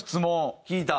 聞いた？